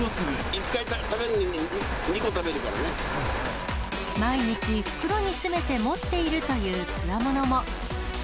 １回食べるのに、２個食べる毎日、袋に詰めて持っているというつわものも。